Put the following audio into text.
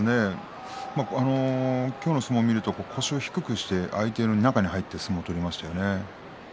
今日の相撲を見ると腰を低くして相手の中に入って相撲を取りましたね。